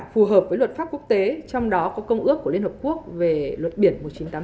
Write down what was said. phù hợp với luật pháp quốc tế trong đó có công ước của liên hợp quốc về luật biển một nghìn chín trăm tám mươi